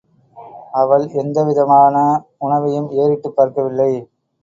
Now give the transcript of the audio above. அவள் எந்தவிதமான உணவையும் ஏறிட்டுப் பார்க்கவில்லை.